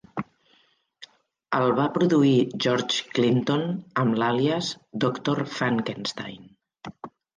El va produir George Clinton amb l'àlies Doctor Funkenstein.